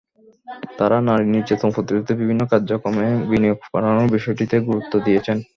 তাঁরা নারী নির্যাতন প্রতিরোধে বিভিন্ন কার্যক্রমে বিনিয়োগ বাড়ানোর বিষয়টিতে গুরুত্ব দিয়েছেন।